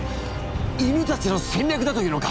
犬たちの戦略だというのか！